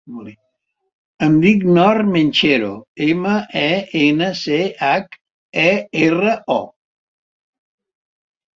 Em dic Nor Menchero: ema, e, ena, ce, hac, e, erra, o.